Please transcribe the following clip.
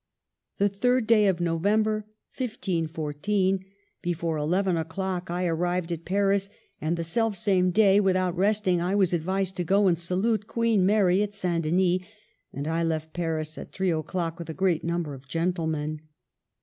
"The 3d day of November, 15 14, before eleven o'clock, I arrived at Paris, and the self same day, with out resting, I was advised to go and salute Queen Mary at St. Denis, and I left Paris at three o'clock with a great number of gentlemen.